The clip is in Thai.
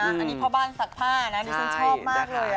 อันนี้พ่อบ้านซักผ้านะดิฉันชอบมากเลย